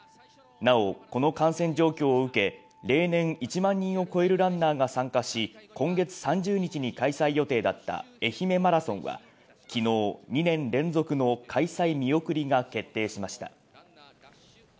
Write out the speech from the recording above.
なお、この感染状況を受け、例年１万人を超えるランナーが参加し、今月３０日に開催予定だった愛媛マラソンは昨日、２年連続の開催見送りが決定しました。